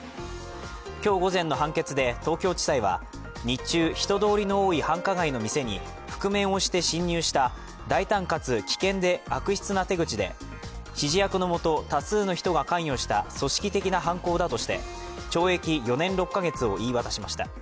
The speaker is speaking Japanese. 今日午前の判決で東京地裁は日中、人通りの多い繁華街の店に覆面をして侵入した大胆かつ危険で悪質な手口で指示役のもと多数の人が関与した組織的な犯行だとして懲役４年６か月を言い渡しました。